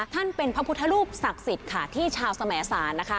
ท่านเป็นพระพุทธรูปศักดิ์สิทธิ์ค่ะที่ชาวสมสารนะคะ